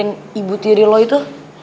kalau harus mikirin ibu tiri lo itu